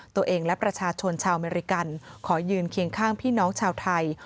ตัวเองและประชาชนชาวอเมริกันขอยืนเคียงข้างพี่น้องชาวไทย